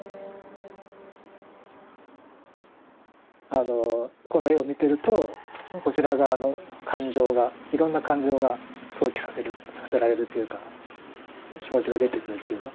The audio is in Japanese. あのこの絵を見てるとこちら側の感情がいろんな感情が想起させられるというか気持ちが出てくるというか。